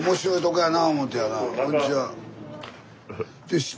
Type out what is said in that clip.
こんにちは。